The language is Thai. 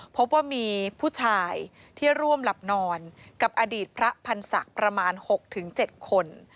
พบว่ามีผู้ชายที่ร่วมหลับนอนกับอดีตพระพันธ์ศักดิ์ประมาณ๖๗คน